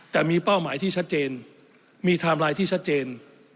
แต่มีเป้าหมายที่ชัดเจนมีไทม์ไลน์ที่ชัดเจน